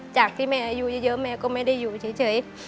จากที่แม่อายุเยอะแม่ก็ไม่ได้อยู่เฉย